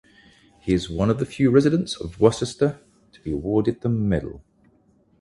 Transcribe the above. He is one of the few residents of Worcester to be awarded the medal.